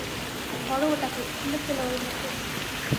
ধরো ওটাকে, খুলে ফেল ওর মুখোশ।